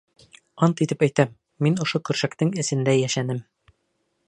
— Ант итеп әйтәм, мин ошо көршәктең эсендә йәшәнем!